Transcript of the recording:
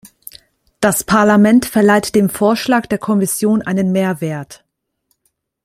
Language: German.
Das Parlament verleiht dem Vorschlag der Kommission einen Mehrwert.